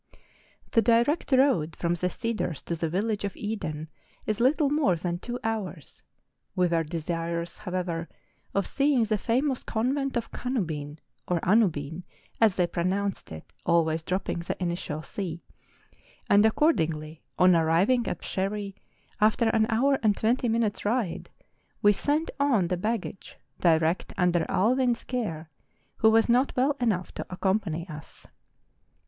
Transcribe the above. The direct road from the cedars to the village of Eden is little more than two hours ; we were de¬ sirous, however, of seeing the famous Convent of Canubin (or Anubin, as they pronounced it, always dropping the initial C), and accordingly, on arriving at Psherre, after an hour and twenty minutes' ride, we sent on the baggage direct under Allwyn's care, who was not well enough to accompany us.